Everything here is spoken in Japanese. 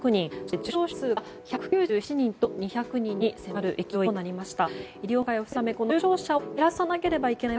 そして重症者数が１９７人と、２００人に迫る勢いとなりました。